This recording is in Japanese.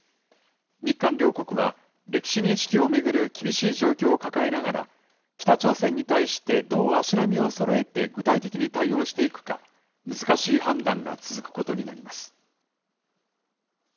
日韓両国は歴史認識を巡る厳しい状況を抱えながら、北朝鮮に対してどう足並みをそろえて具体的に対応していくか、難しい判断が続くことになります。